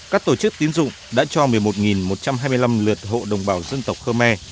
các tổ chức tiến dụng đã cho một mươi một một trăm hai mươi năm lượt hộ đồng bào dân tộc khmer